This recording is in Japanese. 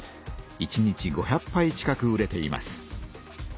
１日５００ぱい近く売れています。